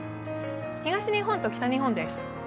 東日本と北日本です。